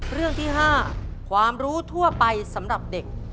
เรื่องที่๕ความรู้ทั่วไปสำหรับเด็ก